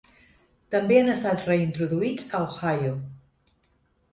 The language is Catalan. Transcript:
També han estat reintroduïts a Ohio.